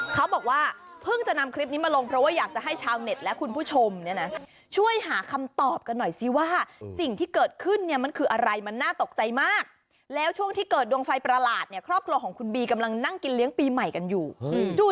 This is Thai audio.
เขาบอกว่าเพิ่งจะนำคลิปนี้มาลงเพราะว่าอยากจะให้ชาวเน็ตและคุณผู้ชมเนี่ยนะคุณผู้ชม